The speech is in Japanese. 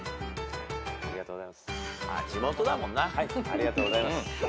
ありがとうございます。